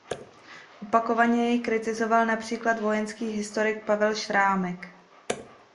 Opakovaně jej kritizoval například vojenský historik Pavel Šrámek.